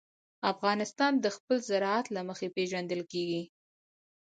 افغانستان د خپل زراعت له مخې پېژندل کېږي.